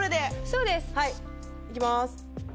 そうです。いきます。